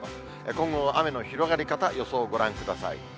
今後の雨の広がり方、予想をご覧ください。